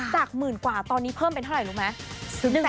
หมื่นกว่าตอนนี้เพิ่มเป็นเท่าไหร่รู้ไหม